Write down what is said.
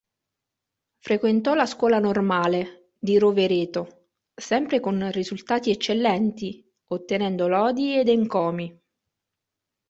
Frequentò la Scuola Normale, di Rovereto, sempre con risultati eccellenti, ottenendo lodi ed encomi.